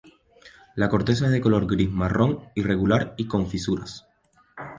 La corteza es de color gris-marrón, irregular y con fisuras.